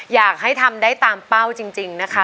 อยากให้ทำได้ตามเป้าจริงนะคะ